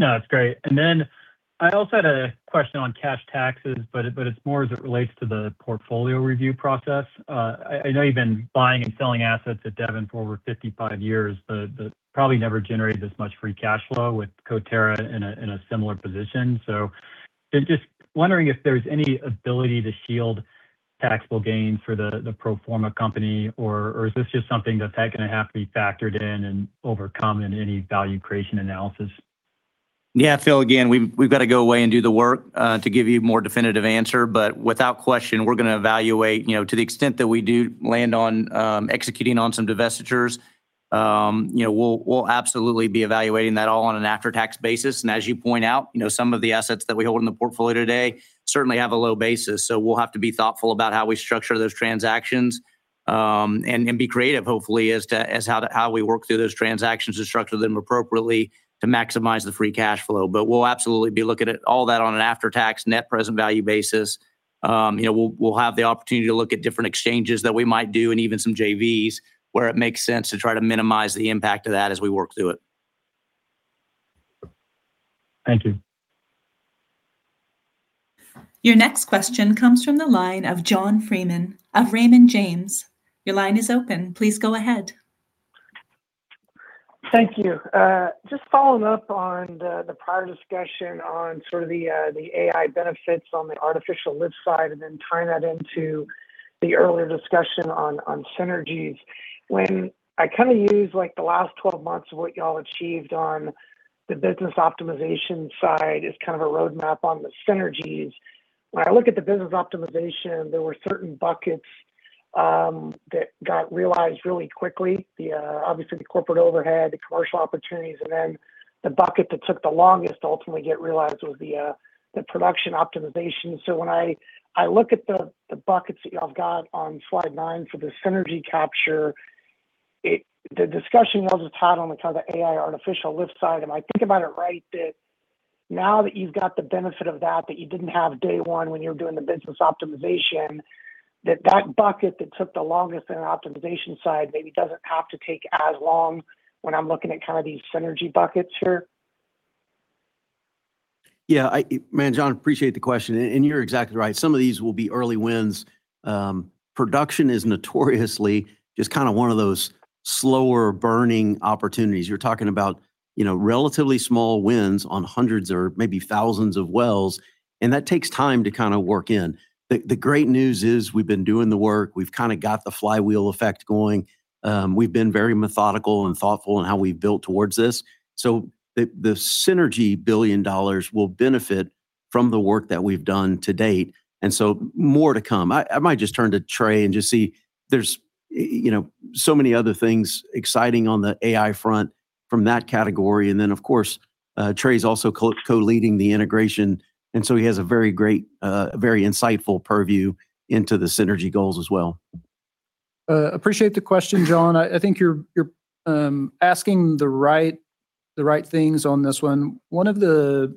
No, that's great. I also had a question on cash taxes, but it's more as it relates to the portfolio review process. I know you've been buying and selling assets at Devon for over 55 years, but probably never generated this much free cash flow with COTERRA in a similar position. Just wondering if there's any ability to shield taxable gains for the pro forma company or is this just something that's gonna have to be factored in and overcome in any value creation analysis? Yeah. Phil, again, we've got to go away and do the work to give you a more definitive answer. Without question, we're gonna evaluate, you know, to the extent that we do land on executing on some divestitures, you know, we'll absolutely be evaluating that all on an after-tax basis. As you point out, you know, some of the assets that we hold in the portfolio today certainly have a low basis. We'll have to be thoughtful about how we structure those transactions and be creative, hopefully, as to how we work through those transactions to structure them appropriately to maximize the free cash flow. We'll absolutely be looking at all that on an after-tax net present value basis. You know, we'll have the opportunity to look at different exchanges that we might do and even some JVs where it makes sense to try to minimize the impact of that as we work through it. Thank you. Your next question comes from the line of John Freeman of Raymond James. Your line is open. Please go ahead. Thank you. Just following up on the prior discussion on sort of the AI benefits on the artificial lift side, and then tying that into the earlier discussion on synergies. When I kinda use like the last 12 months of what y'all achieved on the business optimization side as kind of a roadmap on the synergies, when I look at the business optimization, there were certain buckets that got realized really quickly. The obviously the corporate overhead, the commercial opportunities, and then the bucket that took the longest to ultimately get realized was the production optimization. When I look at the buckets that y'all have got on slide nine for the synergy capture, the discussion notes it had on kinda the AI artificial lift side. Am I thinking about it right that now that you've got the benefit of that you didn't have day one when you were doing the business optimization, that that bucket that took the longest in an optimization side maybe doesn't have to take as long when I'm looking at kinda these synergy buckets here? Yeah. Man, John, appreciate the question. You're exactly right. Some of these will be early wins. Production is notoriously just kinda one of those slower burning opportunities. You're talking about, you know, relatively small wins on hundreds or maybe thousands of wells, and that takes time to kinda work in. The great news is we've been doing the work. We've kinda got the flywheel effect going. We've been very methodical and thoughtful in how we've built towards this. The synergy billion dollars will benefit from the work that we've done to date, more to come. I might just turn to Trey and just see. There's, you know, so many other things exciting on the AI front from that category. Of course, Trey's also co-leading the integration, and so he has a very great, a very insightful purview into the synergy goals as well. Appreciate the question, John. I think you're asking the right things on this one. One of the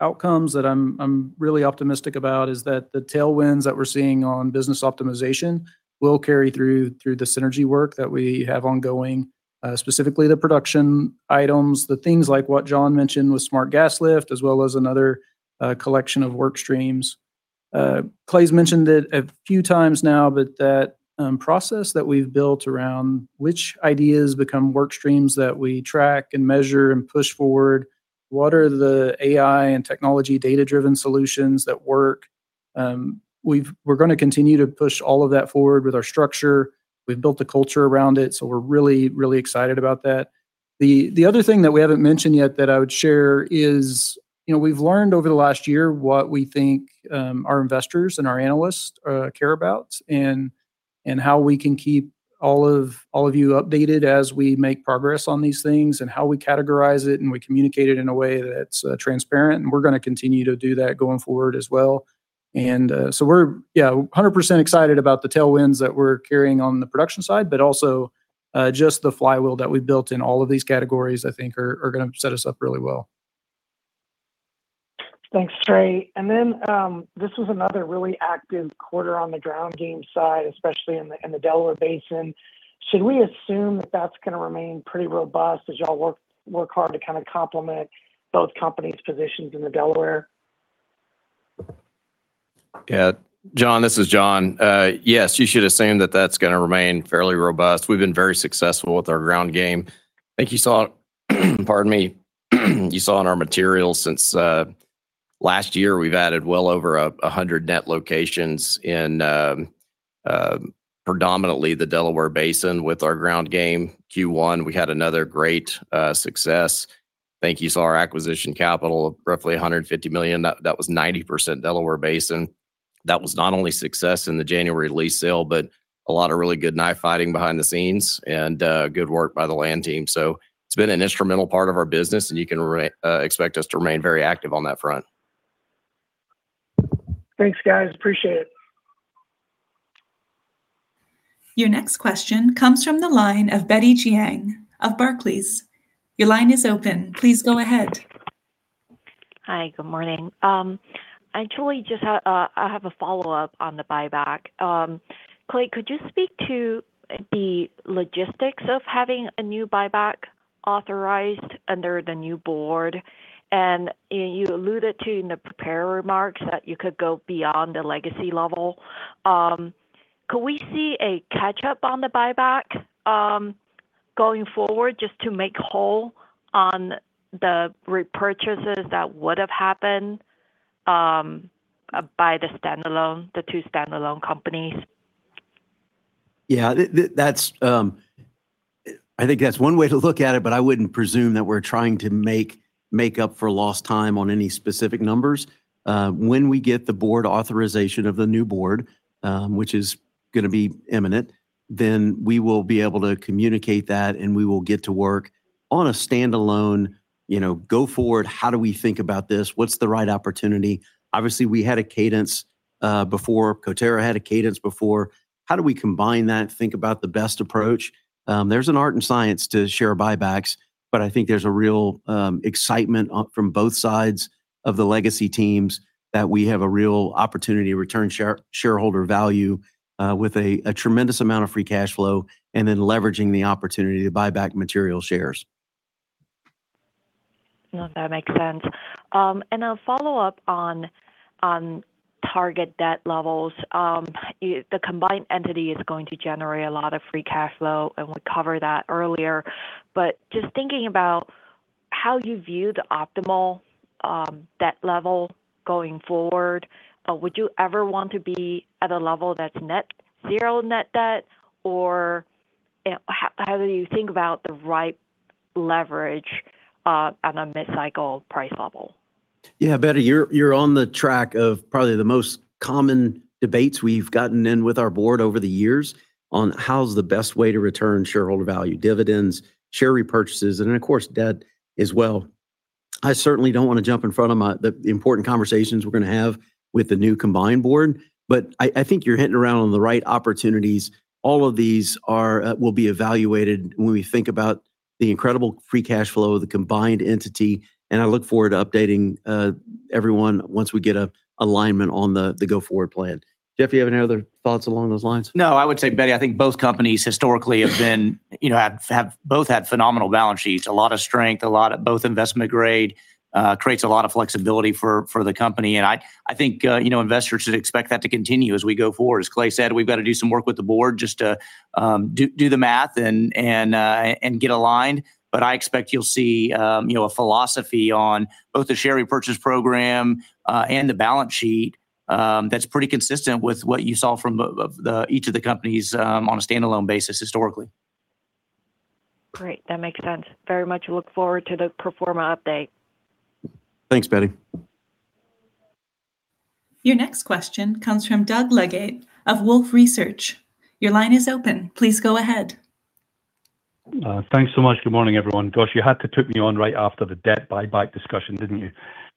outcomes that I'm really optimistic about is that the tailwinds that we're seeing on business optimization will carry through the synergy work that we have ongoing, specifically the production items, the things like what John mentioned with smart gas lift, as well as another collection of work streams. Clay mentioned it a few times now, but that process that we've built around which ideas become work streams that we track and measure and push forward, what are the AI and technology data-driven solutions that work, we're going to continue to push all of that forward with our structure. We've built a culture around it, we're really excited about that. The other thing that we haven't mentioned yet that I would share is, you know, we've learned over the last year what we think our investors and our analysts care about and how we can keep all of you updated as we make progress on these things and how we categorize it and we communicate it in a way that's transparent, we're gonna continue to do that going forward as well. So we're, yeah, 100% excited about the tailwinds that we're carrying on the production side, but also just the flywheel that we've built in all of these categories I think are gonna set us up really well. Thanks, Trey. Then, this was another really active quarter on the ground game side, especially in the, in the Delaware Basin. Should we assume that that's gonna remain pretty robust as y'all work hard to kinda complement both companies' positions in the Delaware? Yeah. John, this is John. Yes, you should assume that that's gonna remain fairly robust. We've been very successful with our ground game. I think you saw, pardon me, you saw in our materials since last year we've added well over 100 net locations in predominantly the Delaware Basin with our ground game. Q1, we had another great success. I think you saw our acquisition capital of roughly $150 million. That was 90% Delaware Basin. That was not only success in the January lease sale, but a lot of really good knife fighting behind the scenes and good work by the land team. It's been an instrumental part of our business, and you can expect us to remain very active on that front. Thanks, guys. Appreciate it. Your next question comes from the line of Betty Jiang of Barclays. Your line is open. Please go ahead. Hi. Good morning. I truly just have a follow-up on the buyback. Clay, could you speak to the logistics of having a new buyback authorized under the new board? You alluded to in the prepared remarks that you could go beyond the legacy level. Could we see a catch-up on the buyback going forward just to make whole on the repurchases that would have happened by the standalone, the two standalone companies? Yeah. That's, I think that's one way to look at it, but I wouldn't presume that we're trying to make up for lost time on any specific numbers. When we get the board authorization of the new board, which is gonna be imminent, then we will be able to communicate that, and we will get to work on a standalone, you know, go forward, how do we think about this, what's the right opportunity. Obviously, we had a cadence before. COTERRA had a cadence before. How do we combine that and think about the best approach? There's an art and science to share buybacks, but I think there's a real excitement from both sides. Of the legacy teams that we have a real opportunity to return shareholder value with a tremendous amount of free cash flow, and then leveraging the opportunity to buy back material shares. No, that makes sense. I'll follow up on target debt levels. The combined entity is going to generate a lot of free cash flow, and we covered that earlier. Just thinking about how you view the optimal debt level going forward, would you ever want to be at a level that's net zero net debt? How do you think about the right leverage at a mid-cycle price level? Yeah, Betty, you're on the track of probably the most common debates we've gotten in with our board over the years on how's the best way to return shareholder value, dividends, share repurchases, and of course, debt as well. I certainly don't wanna jump in front of the important conversations we're gonna have with the new combined board, but I think you're hitting around on the right opportunities. All of these are will be evaluated when we think about the incredible free cash flow of the combined entity, and I look forward to updating everyone once we get a alignment on the go-forward plan. Jeff, you have any other thoughts along those lines? No, I would say, Betty, I think both companies historically have been, you know, have both had phenomenal balance sheets, a lot of strength, a lot of both investment grade, creates a lot of flexibility for the company. I think, you know, investors should expect that to continue as we go forward. As Clay said, we've got to do some work with the board just to do the math and get aligned. I expect you'll see, you know, a philosophy on both the share repurchase program and the balance sheet that's pretty consistent with what you saw from each of the companies on a standalone basis historically. Great. That makes sense. Very much look forward to the pro forma update. Thanks, Betty. Your next question comes from Doug Leggate of Wolfe Research. Your line is open. Please go ahead. Thanks so much. Good morning, everyone. Gosh, you had to put me on right after the debt buyback discussion, didn't you?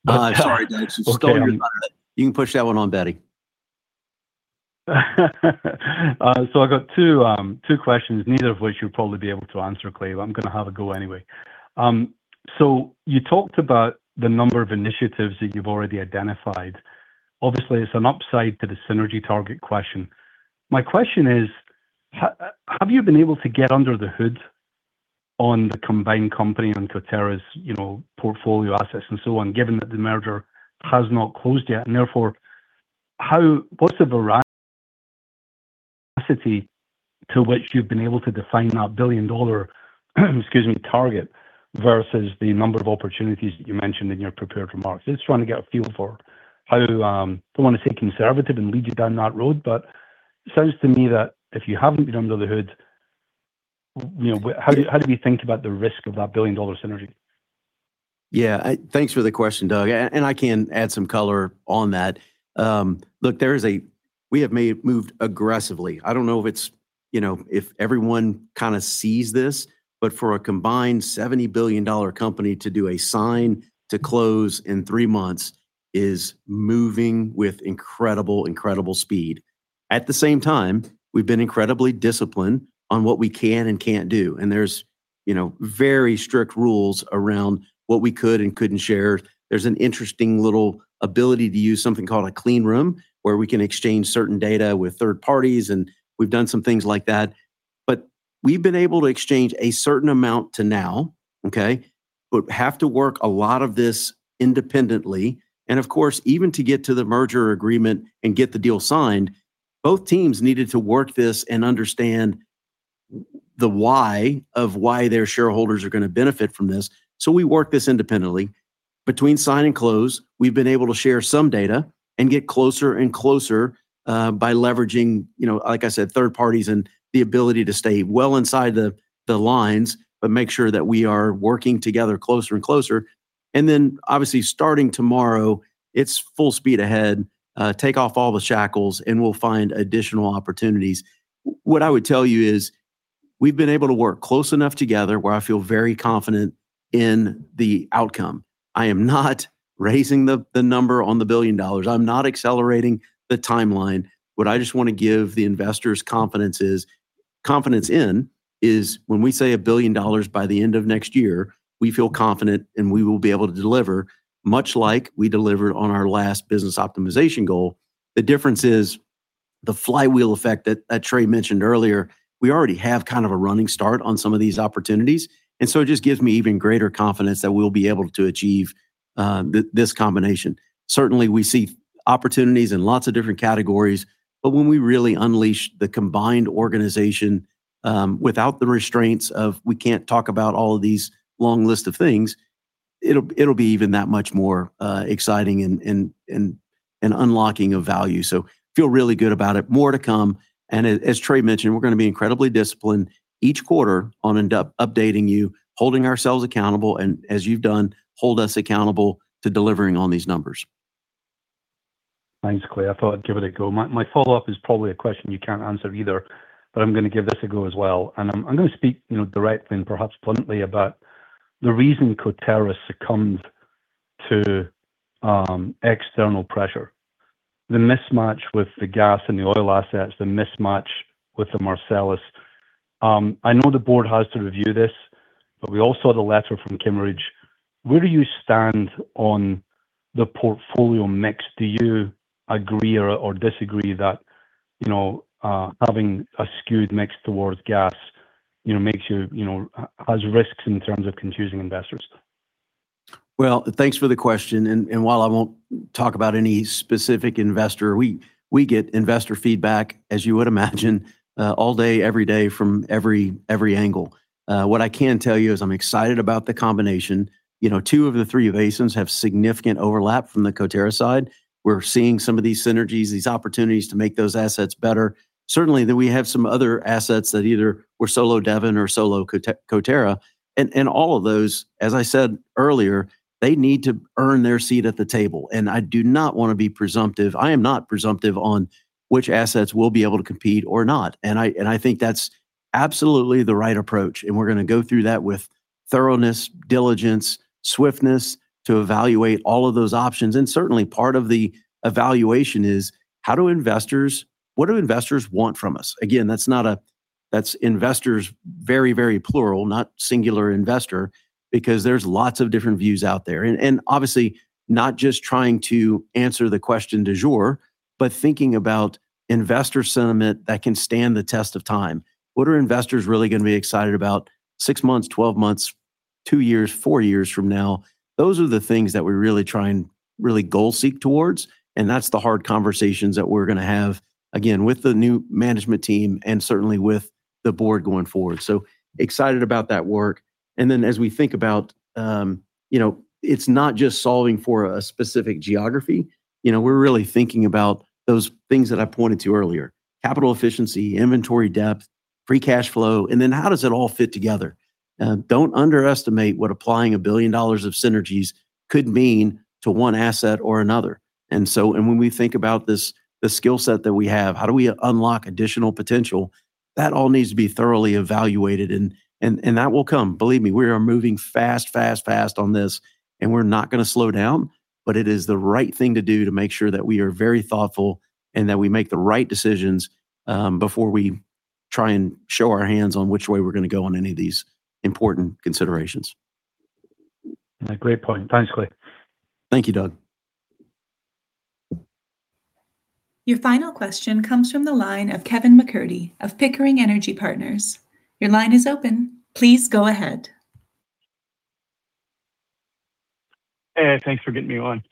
sorry, Doug. It's totally my bad. You can push that one on Betty. I got two questions, neither of which you'll probably be able to answer, Clay, but I'm gonna have a go anyway. You talked about the number of initiatives that you've already identified. Obviously, it's an upside to the synergy target question. My question is, have you been able to get under the hood on the combined company and COTERRA's, you know, portfolio assets and so on, given that the merger has not closed yet? What's the veracity to which you've been able to define that billion-dollar, excuse me, target versus the number of opportunities that you mentioned in your prepared remarks? Just trying to get a feel for how to, don't wanna sound conservative and lead you down that road, but it sounds to me that if you haven't been under the hood, you know, how do we think about the risk of that billion-dollar synergy? Yeah. Thanks for the question, Doug, and I can add some color on that. Look, we have moved aggressively. I don't know if it's, you know, if everyone kinda sees this, but for a combined $70 billion dollar company to do a sign to close in three months is moving with incredible speed. At the same time, we've been incredibly disciplined on what we can and can't do, and there's, you know, very strict rules around what we could and couldn't share. There's an interesting little ability to use something called a clean room, where we can exchange certain data with third parties, and we've done some things like that. We've been able to exchange a certain amount to now, okay? We have to work a lot of this independently, and of course, even to get to the merger agreement and get the deal signed, both teams needed to work this and understand the why of why their shareholders are going to benefit from this. We work this independently. Between sign and close, we've been able to share some data and get closer and closer by leveraging, you know, like I said, third parties and the ability to stay well inside the lines, but make sure that we are working together closer and closer. Obviously starting tomorrow, it's full speed ahead, take off all the shackles, and we'll find additional opportunities. What I would tell you is we've been able to work close enough together where I feel very confident in the outcome. I am not raising the number on the billion dollars. I'm not accelerating the timeline. What I just want to give the investors confidence in is when we say a billion dollars by the end of next year, we feel confident, and we will be able to deliver, much like we delivered on our last business optimization goal. The difference is the flywheel effect that Trey mentioned earlier. We already have kind of a running start on some of these opportunities, and so it just gives me even greater confidence that we'll be able to achieve this combination. Certainly, we see opportunities in lots of different categories, but when we really unleash the combined organization, without the restraints of we can't talk about all of these long list of things, it'll be even that much more exciting and unlocking of value. Feel really good about it. More to come. As Trey mentioned, we're going to be incredibly disciplined each quarter on updating you, holding ourselves accountable, and as you've done, hold us accountable to delivering on these numbers. Thanks, Clay. I thought I'd give it a go. My follow-up is probably a question you can't answer either, but I'm gonna give this a go as well. I'm gonna speak, you know, directly and perhaps bluntly about the reason COTERRA succumbed to external pressure. The mismatch with the gas and the oil assets, the mismatch with the Marcellus, I know the board has to review this, but we all saw the letter from Kimmeridge. Where do you stand on the portfolio mix? Do you agree or disagree that, you know, having a skewed mix towards gas, you know, makes you know, has risks in terms of confusing investors? Well, thanks for the question and while I won't talk about any specific investor, we get investor feedback, as you would imagine, all day, every day from every angle. What I can tell you is I'm excited about the combination. You know, two of the three basins have significant overlap from the COTERRA side. We're seeing some of these synergies, these opportunities to make those assets better. Certainly, we have some other assets that either were solo Devon or solo COTERRA. All of those, as I said earlier, they need to earn their seat at the table, and I do not wanna be presumptive. I am not presumptive on which assets will be able to compete or not. I think that's absolutely the right approach, and we're gonna go through that with thoroughness, diligence, swiftness to evaluate all of those options. Certainly part of the evaluation is how do investors, what do investors want from us? Again, that's not that's investors very, very plural, not singular investor, because there's lots of different views out there. Obviously not just trying to answer the question du jour, but thinking about investor sentiment that can stand the test of time. What are investors really gonna be excited about six months, 12 months, two years, four years from now? Those are the things that we really try and really goal seek towards, and that's the hard conversations that we're gonna have, again, with the new management team and certainly with the board going forward. Excited about that work. As we think about, you know, it's not just solving for a specific geography. You know, we're really thinking about those things that I pointed to earlier, capital efficiency, inventory depth, free cash flow, how does it all fit together? Don't underestimate what applying a billion dollars of synergies could mean to one asset or another. When we think about this, the skill set that we have, how do we unlock additional potential, that all needs to be thoroughly evaluated and that will come. Believe me, we are moving fast on this, we're not gonna slow down. It is the right thing to do to make sure that we are very thoughtful and that we make the right decisions, before we try and show our hands on which way we're gonna go on any of these important considerations. Yeah, great point. Thanks, Clay. Thank you, Doug. Your final question comes from the line of Kevin MacCurdy of Pickering Energy Partners. Your line is open. Please go ahead. Hey, thanks for getting me on.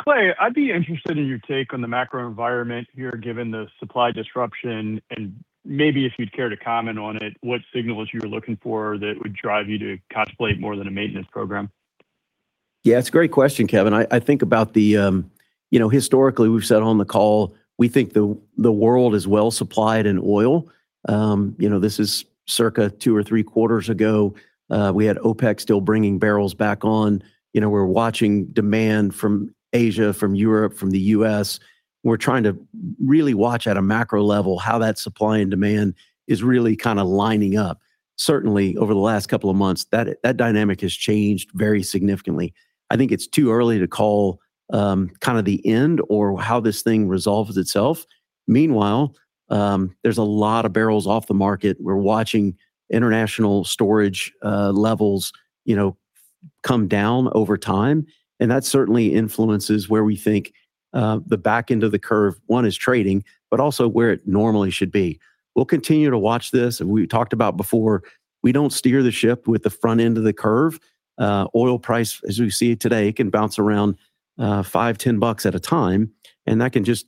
Clay, I'd be interested in your take on the macro environment here, given the supply disruption, and maybe if you'd care to comment on it, what signals you're looking for that would drive you to capitulate more than a maintenance program. Yeah, it's a great question, Kevin. You know, historically, we've said on the call, we think the world is well supplied in oil. You know, this is circa two or three quarters ago. We had OPEC still bringing barrels back on. You know, we're watching demand from Asia, from Europe, from the U.S. We're trying to really watch at a macro level how that supply and demand is really kinda lining up. Certainly, over the last couple of months, that dynamic has changed very significantly. I think it's too early to call, kinda the end or how this thing resolves itself. Meanwhile, there's a lot of barrels off the market. We're watching international storage, levels, you know, come down over time, and that certainly influences where we think, the back end of the curve, one, is trading, but also where it normally should be. We'll continue to watch this. We talked about before, we don't steer the ship with the front end of the curve. oil price, as we see it today, can bounce around, $5, $10 at a time, and that can just,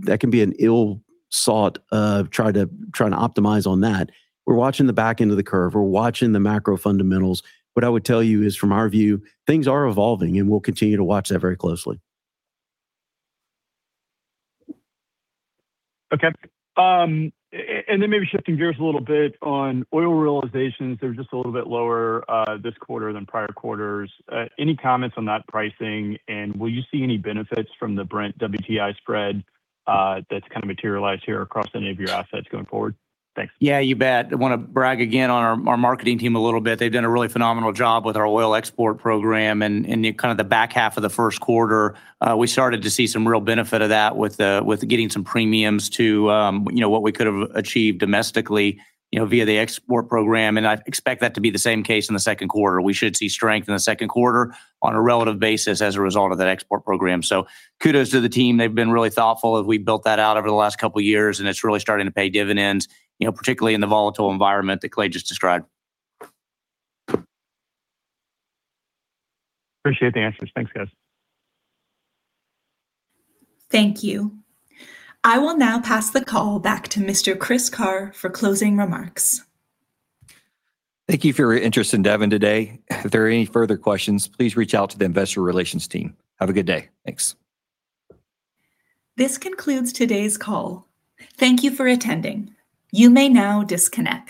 that can be an ill sought of try to optimize on that. We're watching the back end of the curve. We're watching the macro fundamentals. What I would tell you is, from our view, things are evolving, and we'll continue to watch that very closely. Okay. Maybe shifting gears a little bit on oil realizations, they're just a little bit lower this quarter than prior quarters. Any comments on that pricing? Will you see any benefits from the Brent WTI spread that's kind of materialized here across any of your assets going forward? Thanks. Yeah, you bet. I wanna brag again on our marketing team a little bit. They've done a really phenomenal job with our oil export program and kind of the back half of the first quarter, we started to see some real benefit of that with getting some premiums to, you know, what we could have achieved domestically, you know, via the export program. I expect that to be the same case in the second quarter. We should see strength in the second quarter on a relative basis as a result of that export program. Kudos to the team. They've been really thoughtful as we built that out over the last couple years, and it's really starting to pay dividends, you know, particularly in the volatile environment that Clay just described. Appreciate the answers. Thanks, guys. Thank you. I will now pass the call back to Mr. Chris Carr for closing remarks. Thank you for your interest in Devon today. If there are any further questions, please reach out to the investor relations team. Have a good day. Thanks. This concludes today's call. Thank you for attending. You may now disconnect.